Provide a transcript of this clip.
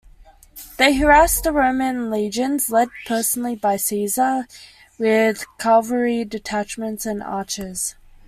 They harassed the Roman legions, led personally by Caesar, with cavalry detachments and archers.